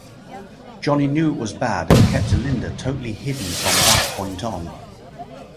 Johnny knew it was bad and kept Linda totally hidden from that point on.